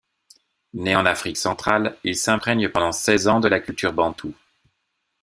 Né en Afrique centrale, il s’imprègne pendant seize ans de culture bantoue.